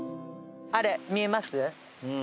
あれ見えます？